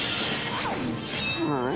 うん？